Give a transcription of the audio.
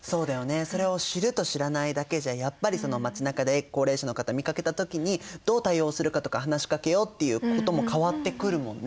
それを知ると知らないだけじゃやっぱり街なかで高齢者の方見かけた時にどう対応するかとか話しかけようっていうことも変わってくるもんね。